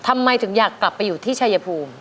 ทำไมถึงอยากกลับไปอยู่ที่ชายภูมิ